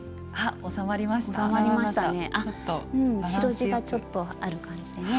白地がちょっとある感じでね